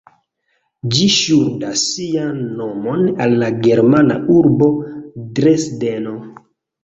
Ĝi ŝuldas sian nomon al la germana urbo Dresdeno.